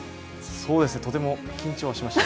そうですね、とても緊張はしました。